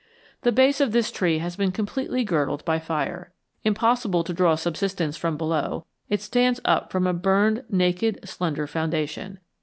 The base of this tree has been completely girdled by fire. Impossible to draw subsistence from below, it stands up from a burned, naked, slender foundation.